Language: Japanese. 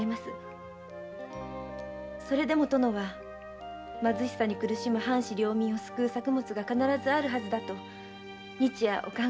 それでも殿は貧しさに苦しむ藩士領民を救う作物が必ずあるはずだと日夜お考えになられていたのです。